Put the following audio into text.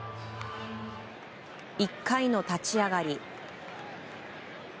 １回の立ち上がり。